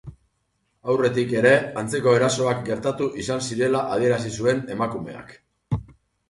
Aurretik ere antzeko erasoak gertatu izan zirela adierazi zuen emakumeak.